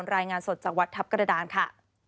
รายงานสดจากวัดทัพกระดานค่ะ